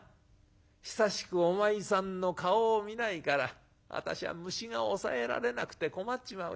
『久しくお前さんの顔を見ないから私は虫が押さえられなくて困っちまうよ。